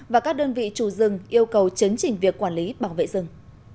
và các đơn vị chủ rừng yêu cầu chấn chỉnh việc quản lý bảo vệ rừng